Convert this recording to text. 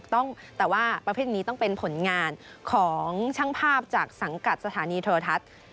แต่ว่าประเภทนี้ต้องเป็นผลงานของช่างภาพจากสังกัดสถานีโทรทัศน์